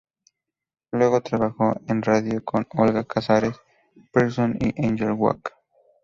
Luego trabajó en radio con Olga Casares Pearson y Ángel Walk.